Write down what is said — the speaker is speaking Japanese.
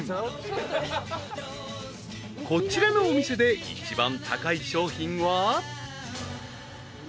［こちらのお店で一番高い商品は？］